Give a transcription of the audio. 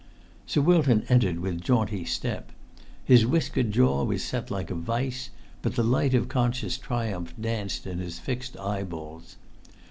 Sir Wilton entered with jaunty step. His whiskered jaw was set like a vice, but the light of conscious triumph danced in his fixed eyeballs.